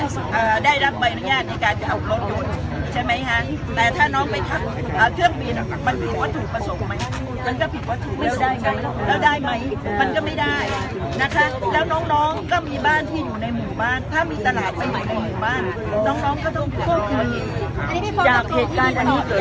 การจัดสรรค์ที่ดินเนี่ยการจัดสรรค์ที่ดินเนี่ยการจัดสรรค์ที่ดินเนี่ยการจัดสรรค์ที่ดินเนี่ยการจัดสรรค์ที่ดินเนี่ยการจัดสรรค์ที่ดินเนี่ยการจัดสรรค์ที่ดินเนี่ยการจัดสรรค์ที่ดินเนี่ยการจัดสรรค์ที่ดินเนี่ยการจัดสรรค์ที่ดินเนี่ยการจัดสรรค์ที่ดินเนี่ยการจัดสรรค์ที่ดิ